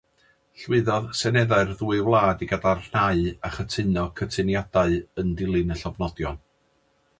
Llwyddodd seneddau'r ddwy wlad i gadarnhau a chytuno'r cytuniadau yn dilyn y llofnodion.